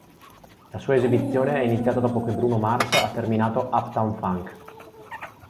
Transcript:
La sua esibizione è iniziata dopo che Bruno Mars ha terminato "Uptown Funk".